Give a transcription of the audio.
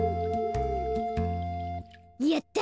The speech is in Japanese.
やった！